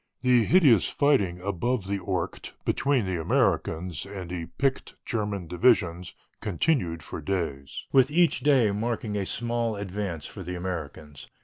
The hideous fighting above the Ourcq between the Americans and the picked German divisions continued for days, with each day marking a small advance for the Americans.